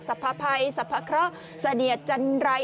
สรรพพัยสรรพเคราะห์สะเดียจันไล